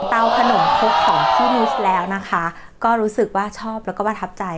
เตาขนมครกของพี่นิสแล้วนะคะก็รู้สึกว่าชอบแล้วก็ประทับใจ